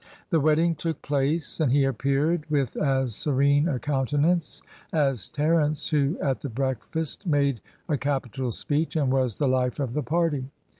The wedding took place, and he appeared with as serene a countenance as Terence, who, at the breakfast made a capital speech, and was the life of the party.